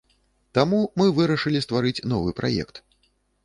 Таму мы вырашылі стварыць новы праект.